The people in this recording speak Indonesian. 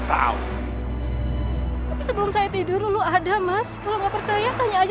sampai jumpa di video selanjutnya